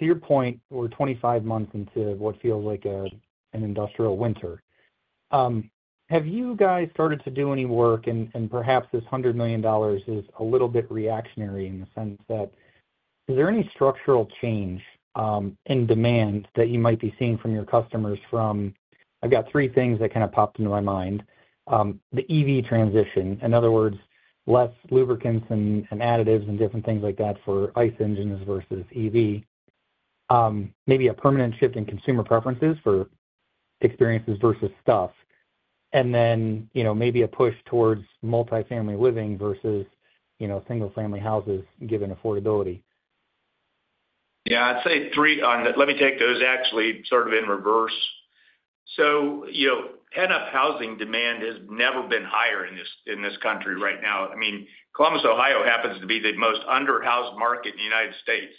your point, we're 25 months into what feels like an industrial winter. Have you guys started to do any work? And perhaps this $100 million is a little bit reactionary in the sense that is there any structural change in demand that you might be seeing from your customers from I've got three things that kind of popped into my mind. The EV transition, in other words, less lubricants and additives and different things like that for ICE engines versus EV. Maybe a permanent shift in consumer preferences for experiences versus stuff. And then maybe a push towards multifamily living versus single-family houses given affordability. Yeah. I'd say three on that. Let me take those actually sort of in reverse. So pent-up housing demand has never been higher in this country right now. I mean, Columbus, Ohio happens to be the most underhoused market in the United States.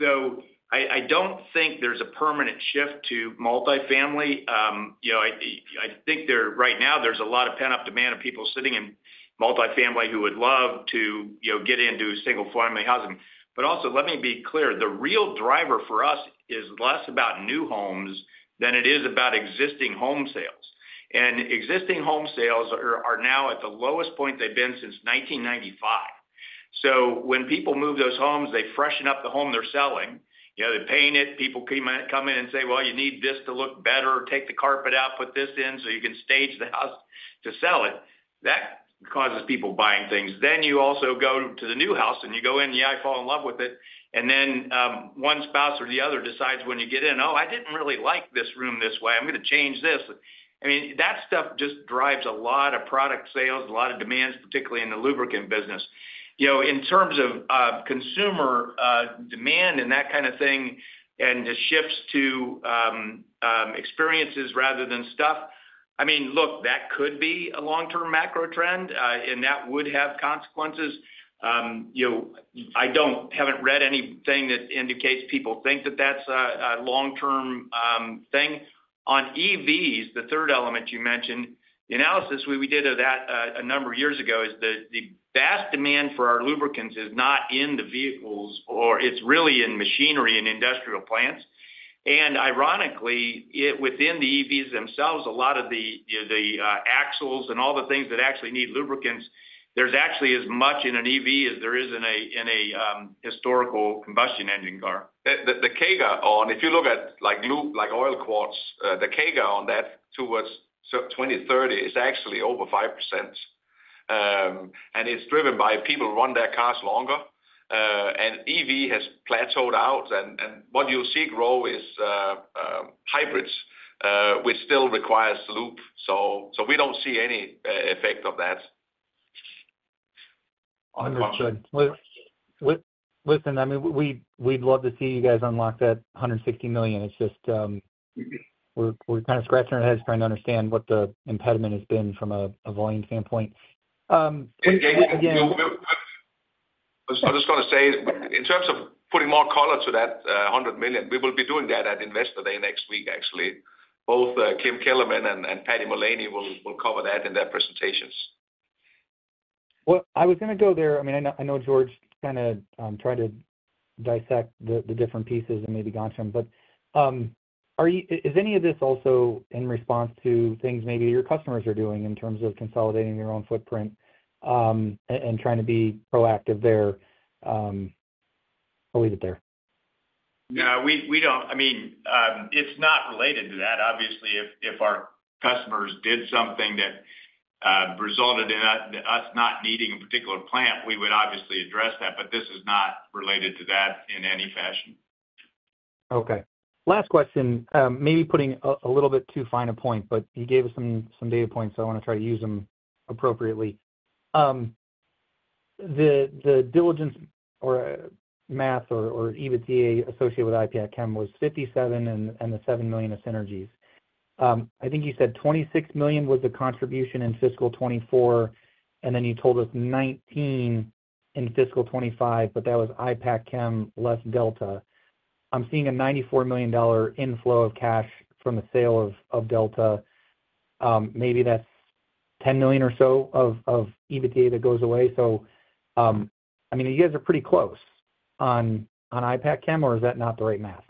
So I don't think there's a permanent shift to multifamily. I think right now there's a lot of pent-up demand of people sitting in multifamily who would love to get into single-family housing. But also, let me be clear, the real driver for us is less about new homes than it is about existing home sales, and existing home sales are now at the lowest point they've been since 1995. So when people move those homes, they freshen up the home they're selling. They're painting it. People come in and say, "Well, you need this to look better. Take the carpet out, put this in so you can stage the house to sell it." That causes people buying things. Then you also go to the new house and you go in, yeah, I fall in love with it, and then one spouse or the other decides when you get in, "Oh, I didn't really like this room this way. I'm going to change this." I mean, that stuff just drives a lot of product sales, a lot of demands, particularly in the lubricant business. In terms of consumer demand and that kind of thing and the shifts to experiences rather than stuff, I mean, look, that could be a long-term macro trend, and that would have consequences. I haven't read anything that indicates people think that that's a long-term thing. On EVs, the third element you mentioned, the analysis we did of that a number of years ago is the vast demand for our lubricants is not in the vehicles or it's really in machinery and industrial plants. And ironically, within the EVs themselves, a lot of the axles and all the things that actually need lubricants, there's actually as much in an EV as there is in a historical combustion engine car. The CAGR on, if you look at oil quarts, the CAGR on that towards 2030 is actually over 5%. And it's driven by people run their cars longer. And EV has plateaued out. And what you'll see grow is hybrids, which still requires lube. So we don't see any effect of that. Understood. Listen, I mean, we'd love to see you guys unlock that $160 million. It's just we're kind of scratching our heads trying to understand what the impediment has been from a volume standpoint. I was just going to say, in terms of putting more color to that $100 million, we will be doing that at Investor Day next week, actually. Both Kim Kellermann and Paddy Mullaney will cover that in their presentations. I was going to go there. I mean, I know George kind of tried to dissect the different pieces and maybe gone some, but is any of this also in response to things maybe your customers are doing in terms of consolidating their own footprint and trying to be proactive there? I'll leave it there. No, we don't. I mean, it's not related to that. Obviously, if our customers did something that resulted in us not needing a particular plant, we would obviously address that. But this is not related to that in any fashion. Okay. Last question, maybe putting a little bit too fine a point, but you gave us some data points, so I want to try to use them appropriately. The diligence or math or EBITDA associated with IPACKCHEM was $57 million and the $7 million of synergies. I think you said $26 million was the contribution in fiscal 2024, and then you told us $19 million in fiscal 2025, but that was IPACKCHEM less Delta. I'm seeing a $94 million inflow of cash from the sale of Delta. Maybe that's $10 million or so of EBITDA that goes away. So I mean, you guys are pretty close on IPACKCHEM, or is that not the right math?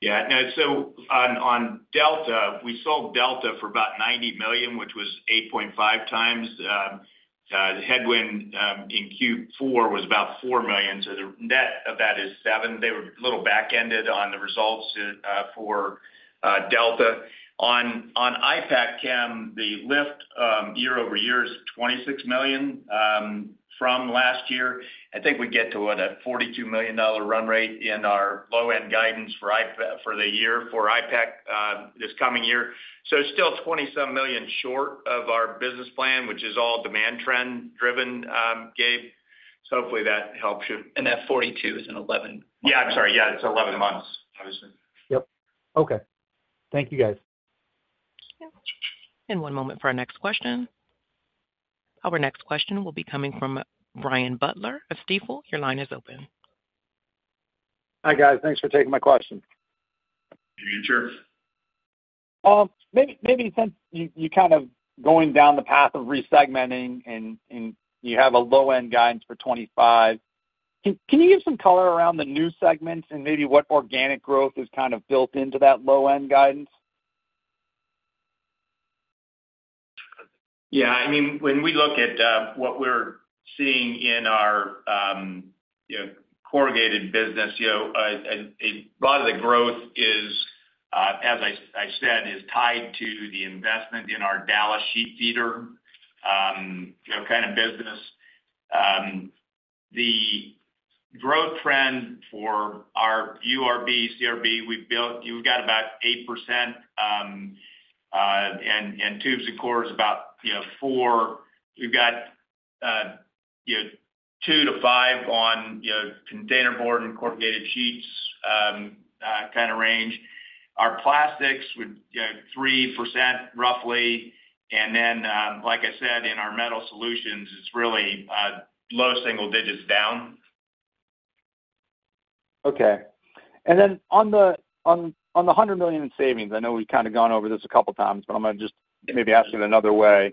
Yeah. So on Delta, we sold Delta for about $90 million, which was 8.5x. Headwind in Q4 was about $4 million. So the net of that is $7 million. They were a little back-ended on the results for Delta. On IPACKCHEM, the lift year-over-year is $26 million from last year. I think we get to, what, a $42 million run rate in our low-end guidance for the year for IPACKCHEM this coming year. So still $27 million short of our business plan, which is all demand trend driven, Gabe. So hopefully that helps you. That 42 is in 11. Yeah, I'm sorry. Yeah, it's 11 months, obviously. Yep. Okay. Thank you, guys. Thank you. And one moment for our next question. Our next question will be coming from Brian Butler of Stifel. Your line is open. Hi, guys. Thanks for taking my question. Maybe since you're kind of going down the path of resegmenting and you have a low-end guidance for 2025, can you give some color around the new segments and maybe what organic growth is kind of built into that low-end guidance? Yeah. I mean, when we look at what we're seeing in our corrugated business, a lot of the growth, as I said, is tied to the investment in our Dallas Sheet Feeder kind of business. The growth trend for our URB, CRB, we've got about 8% and tubes and cores about 4%. We've got 2%-5% on containerboard and corrugated sheets kind of range. Our plastics is 3% roughly. And then, like I said, in our metal solutions, it's really low single digits down. Okay. And then on the $100 million in savings, I know we've kind of gone over this a couple of times, but I'm going to just maybe ask it another way.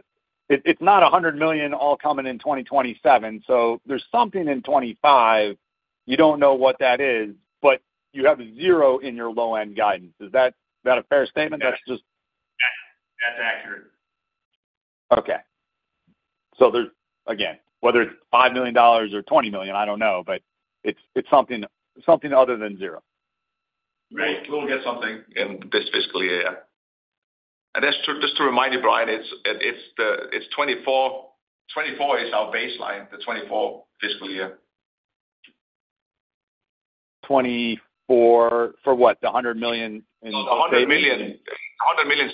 It's not $100 million all coming in 2027. So there's something in 2025. You don't know what that is, but you have zero in your low-end guidance. Is that a fair statement? Yeah. That's accurate. Okay, so again, whether it's $5 million or $20 million, I don't know, but it's something other than zero. Right. We'll get something in this fiscal year. And just to remind you, Brian, it's 2024 is our baseline, the 2024 fiscal year. 2024 for what? The $100 million in savings? The $100 million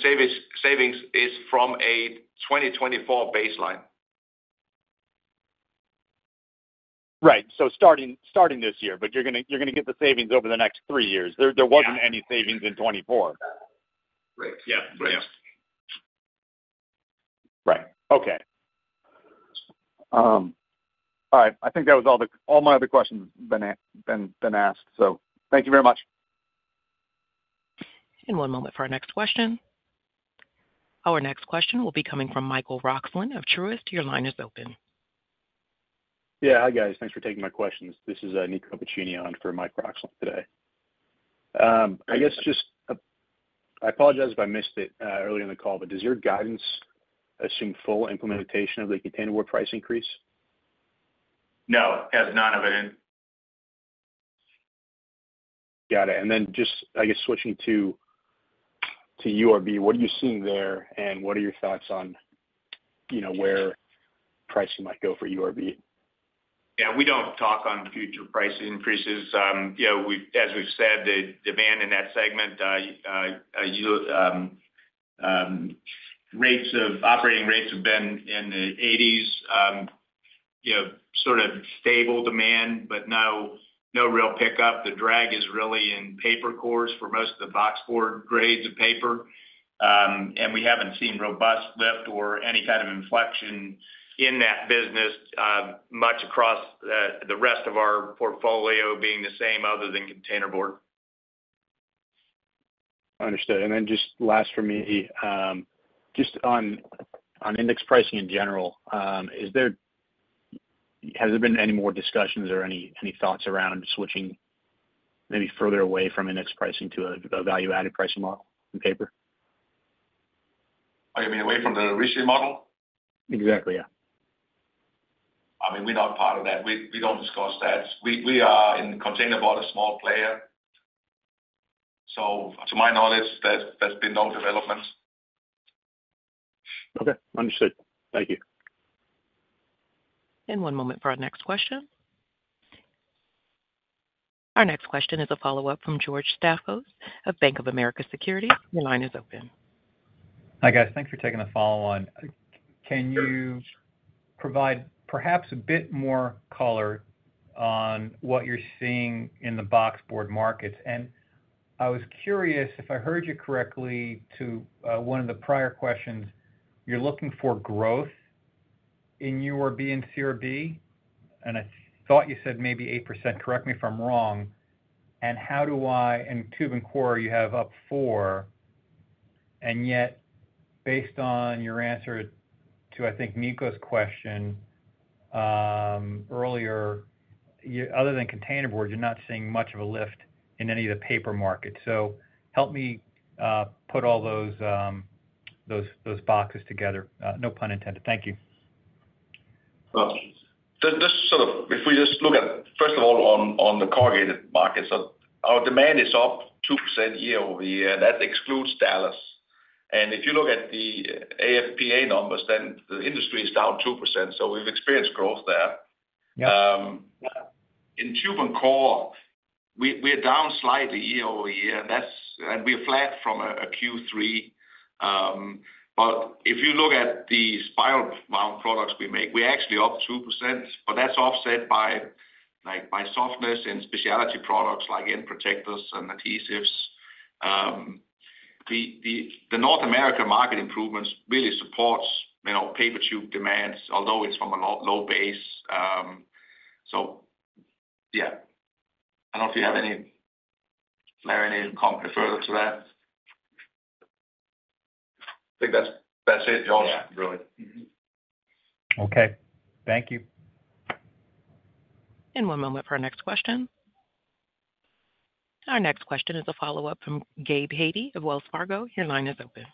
savings is from a 2024 baseline. Right. So starting this year, but you're going to get the savings over the next three years. There wasn't any savings in 2024. Right. Yeah. Right. Right. Okay. All right. I think that was all my other questions been asked. So thank you very much. And one moment for our next question. Our next question will be coming from Michael Roxland of Truist. Your line is open. Yeah. Hi, guys. Thanks for taking my questions. This is Nico Pacini on for Mike Roxland today. I guess just I apologize if I missed it earlier in the call, but does your guidance assume full implementation of the containerboard price increase? No. It has none of it in. Got it. And then just, I guess, switching to URB, what are you seeing there and what are your thoughts on where pricing might go for URB? Yeah. We don't talk on future price increases. As we've said, the demand in that segment, operating rates have been in the 80s, sort of stable demand, but no real pickup. The drag is really in paper cores for most of the boxboard grades of paper. And we haven't seen robust lift or any kind of inflection in that business much across the rest of our portfolio being the same other than containerboard. Understood. And then just last for me, just on index pricing in general, has there been any more discussions or any thoughts around switching maybe further away from index pricing to a value-added pricing model in paper? You mean away from the RISI model? Exactly. Yeah. I mean, we're not part of that. We don't discuss that. We are in the containerboard, a small player. So to my knowledge, there's been no developments. Okay. Understood. Thank you. One moment for our next question. Our next question is a follow-up from George Staphos of Bank of America Securities. Your line is open. Hi, guys. Thanks for taking the call. Can you provide perhaps a bit more color on what you're seeing in the boxboard markets? And I was curious, if I heard you correctly, to one of the prior questions, you're looking for growth in URB and CRB, and I thought you said maybe 8%. Correct me if I'm wrong. And how about tubes and cores, you have up 4%. And yet, based on your answer to, I think, Nico's question earlier, other than containerboard, you're not seeing much of a lift in any of the paper markets. So help me put all those boxes together. No pun intended. Thank you. Just sort of if we just look at, first of all, on the corrugated markets, our demand is up 2% year-over-year. That excludes Dallas, and if you look at the AFPA numbers, then the industry is down 2%, so we've experienced growth there. In tube and core, we're down slightly year-over-year, and we're flat from a Q3, but if you look at the spiral-bound products we make, we're actually up 2%, but that's offset by softness and specialty products like end protectors and adhesives. The North America market improvements really support paper tube demands, although it's from a low base, so yeah. I don't know if you have any further to that. I think that's it. That's it, George, really. Okay. Thank you. One moment for our next question. Our next question is a follow-up from Gabe Hajde of Wells Fargo. Your line is open.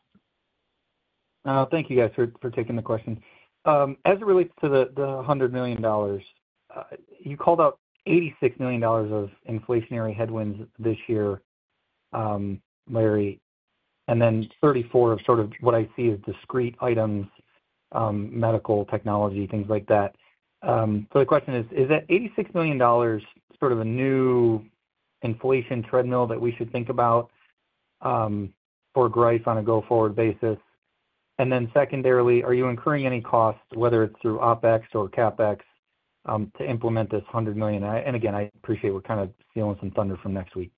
Thank you, guys, for taking the question. As it relates to the $100 million, you called out $86 million of inflationary headwinds this year, Larry, and then 34 of sort of what I see as discrete items, medical technology, things like that. So the question is, is that $86 million sort of a new inflation treadmill that we should think about for growth on a go-forward basis? And then secondarily, are you incurring any costs, whether it's through OpEx or CapEx, to implement this $100 million? And again, I appreciate we're kind of stealing some thunder from next week.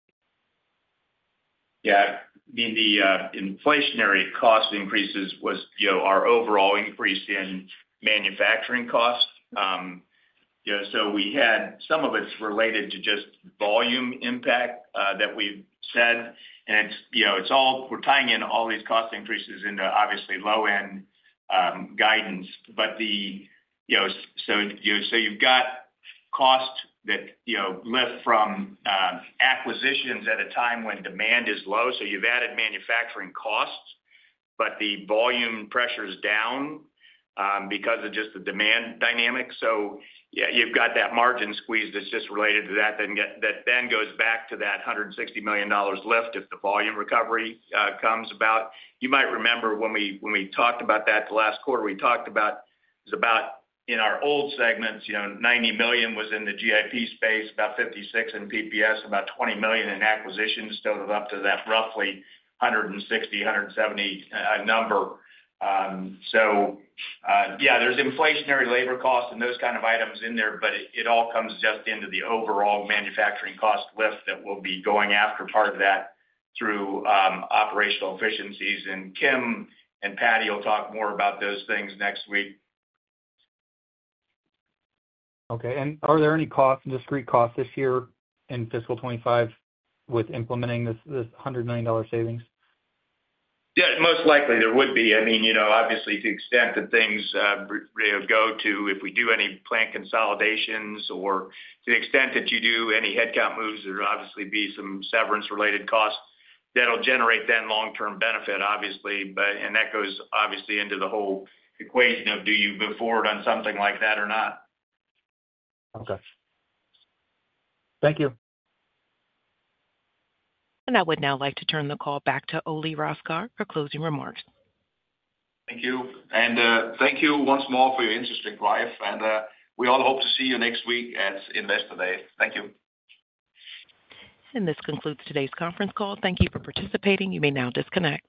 Yeah. I mean, the inflationary cost increases was our overall increase in manufacturing costs. So we had some of it's related to just volume impact that we've said. And it's all we're tying in all these cost increases into obviously low-end guidance. But so you've got costs that lift from acquisitions at a time when demand is low. So you've added manufacturing costs, but the volume pressure is down because of just the demand dynamics. So you've got that margin squeeze that's just related to that that then goes back to that $160 million lift if the volume recovery comes about. You might remember when we talked about that the last quarter, we talked about it was about in our old segments, $90 million was in the GIP space, about $56 million in PPS, about $20 million in acquisitions totaled up to that roughly $160-$170 number. So yeah, there's inflationary labor costs and those kind of items in there, but it all comes just into the overall manufacturing cost lift that we'll be going after, part of that through operational efficiencies. And Kim and Paddy will talk more about those things next week. Okay. And are there any costs, discrete costs this year in fiscal 2025 with implementing this $100 million savings? Yeah. Most likely there would be. I mean, obviously, to the extent that things go to, if we do any plant consolidations or to the extent that you do any headcount moves, there'll obviously be some severance-related costs that'll generate then long-term benefit, obviously. And that goes obviously into the whole equation of do you move forward on something like that or not. Okay. Thank you. I would now like to turn the call back to Ole Rosgaard for closing remarks. Thank you. And thank you once more for your interest in Greif. And we all hope to see you next week at Investor Day. Thank you. This concludes today's conference call. Thank you for participating. You may now disconnect.